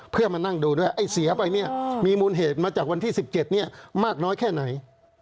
เพื่อมานั่งดูด้วยไอ้เสียไปเนี่ยมีมูลเหตุมาจากวันที่๑๗มากน้อยแค่ไหน